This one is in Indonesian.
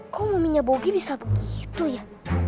kok muminya bogi bisa begitu ya